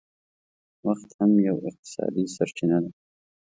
وخت هم یو اقتصادي سرچینه ده